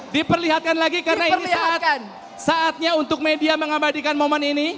diperlihatkan lagi karena ini saatnya untuk media mengabadikan momen ini